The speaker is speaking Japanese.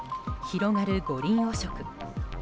広がる五輪汚職。